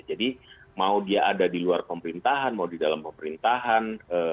jadi mau dia ada di luar pemerintahan mau di dalam pemerintahan